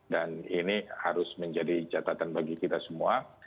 dan ini harus menjadi catatan bagi kita semua